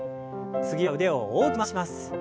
次は腕を大きく回します。